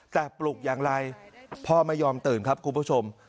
แต่ปลุกอย่างไรพ่อไม่ยอมตื่นครับคุณผู้ชม